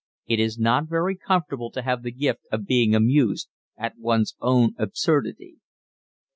It is not very comfortable to have the gift of being amused at one's own absurdity.